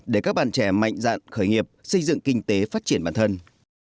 để các bạn trẻ mạnh dạn khởi nghiệp xây dựng kinh tế phát triển bản thân